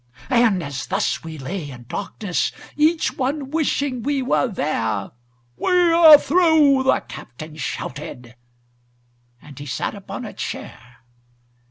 And as thus we lay in darkness, Each one wishing we were there, "We are through!" the captain shouted, And he sat upon a chair.